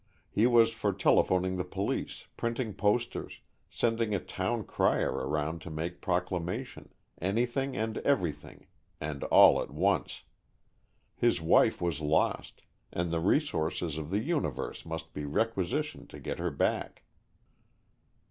He was for telephoning the police, printing posters, sending a town crier around to make proclamation, anything and everything, and all at once. His wife was lost, and the resources of the universe must be requisitioned to get her back.